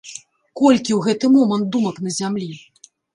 Колькі ў гэты момант думак на зямлі?!